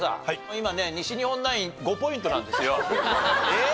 今ね西日本ナイン５ポイントなんですよ。えっ？